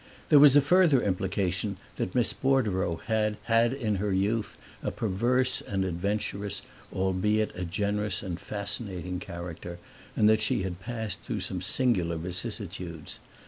There was a further implication that Miss Bordereau had had in her youth a perverse and adventurous, albeit a generous and fascinating character, and that she had passed through some singular vicissitudes.